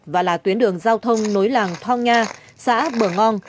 và là tuyến đường giao thông nối làng thong nha xã bở ngon